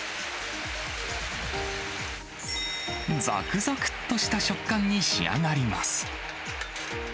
ざくざくっとした食感に仕上がります。